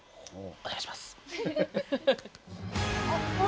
お願いします。